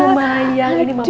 ini mamanya randy